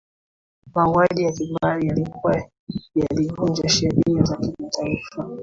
mauaji ya kimbari yalikuwa yalivunja sheria za kimataifa